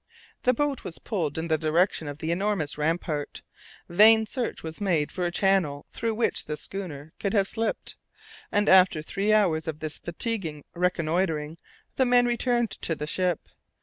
The boat was pulled in the direction of the enormous rampart, vain search was made for a channel through which the schooner could have slipped, and after three hours of this fatiguing reconnoitring, the men returned to the ship.